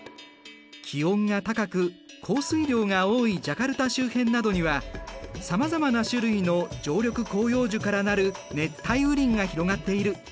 気温が高く降水量が多いジャカルタ周辺などにはさまざまな種類の常緑広葉樹から成る熱帯雨林が広がっている。